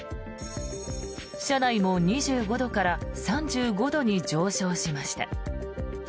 車内も２５度から３５度に上昇しました。